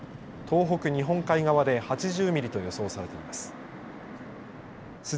東北日本海側で８０ミリと予想されています。